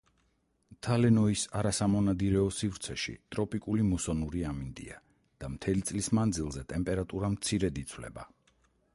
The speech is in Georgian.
თალე ნოის არასამონადირეო სივრცეში ტროპიკული მუსონური ამინდია და მთელი წლის მანძილზე ტემპერატურა მცირედ იცვლება.